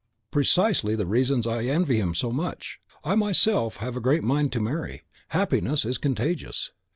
"Precisely the reasons why I envy him so much. I myself have a great mind to marry. Happiness is contagious."